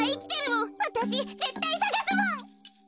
わたしぜったいさがすもん。